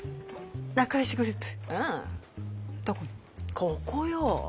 ここよ。